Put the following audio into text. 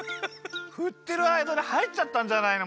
ふってるあいだにはいっちゃったんじゃないの？